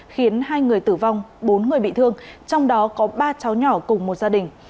khiến hai người tử vong bốn người bị thương trong đó có ba cháu nhỏ cùng một gia đình